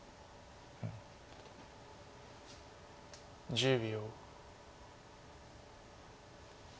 １０秒。